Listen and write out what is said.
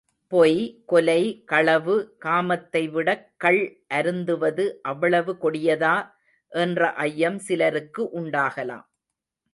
பொய், கொலை, களவு, காமத்தைவிடக் கள் அருந்துவது அவ்வளவு கொடியதா? என்ற ஐயம் சிலருக்கு உண்டாகலாம்.